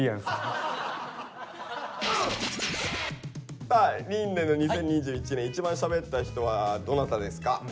さあ琳寧の２０２１年一番しゃべった人はどなたですか？